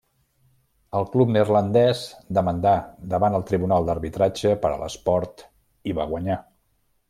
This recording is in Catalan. El club neerlandès demandà davant el Tribunal d'Arbitratge per a l'Esport i va guanyar.